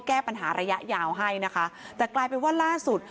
แก้ปัญหาระยะยาวให้นะคะแต่กลายเป็นว่าล่าสุด